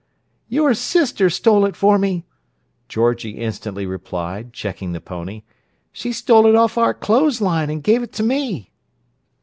"Your sister stole it for me!" Georgie instantly replied, checking the pony. "She stole it off our clo'es line an' gave it to me."